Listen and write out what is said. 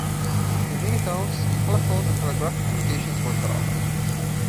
In many towns, telephone and telegraphic communications were cut off.